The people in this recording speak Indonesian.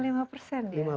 tinggal lima persen aja